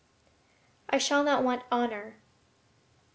I shall not want honor.